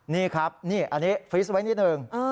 นี่ครับนี่อันนี้ฟรีสไว้นิดหนึ่ง